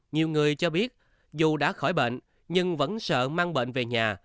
nhiều người cho biết dù đã khỏi bệnh nhưng vẫn sợ mang bệnh về nhà